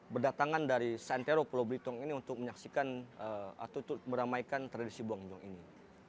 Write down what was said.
berdatangan dari santero pulau belitung ini untuk menyaksikan atau meramaikan tradisi buangjong ini